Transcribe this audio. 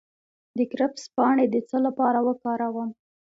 د کرفس پاڼې د څه لپاره وکاروم؟